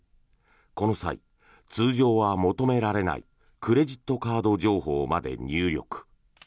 この際、通常は求められないクレジットカード情報まで入力。